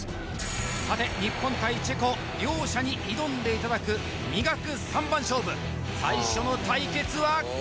さて日本対チェコ両者に挑んでいただく「磨く」三番勝負最初の対決はこちらです！